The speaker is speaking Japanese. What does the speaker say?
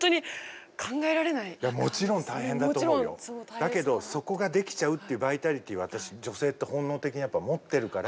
だけどそこができちゃうっていうバイタリティーは私女性って本能的にやっぱ持ってるから。